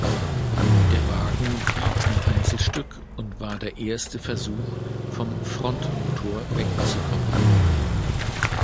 Der Wagen blieb ein Einzelstück und war der erste Versuch vom Frontmotor wegzukommen.